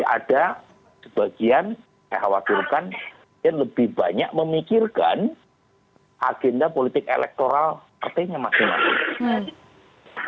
ada sebagian saya khawatirkan dan lebih banyak memikirkan agenda politik elektoral partainya masing masing